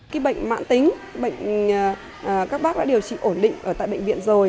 cái bệnh mạng tính các bác đã điều trị ổn định ở tại bệnh viện rồi